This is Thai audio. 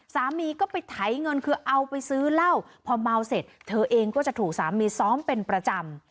สามีก็ไปไถเงินคือเอาไปซื้อเหล้าพอเมาเสร็จเธอเองก็จะถูกสามีซ้อมเป็นประจำ